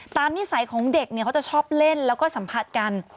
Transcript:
นิสัยของเด็กเนี่ยเขาจะชอบเล่นแล้วก็สัมผัสกัน